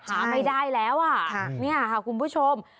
หาไม่ได้แล้วอ่ะนี่ค่ะคุณผู้ชม